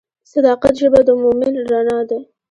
د صداقت ژبه د مؤمن رڼا ده.